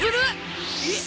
えっ？